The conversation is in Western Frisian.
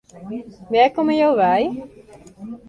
Wêr komme jo wei?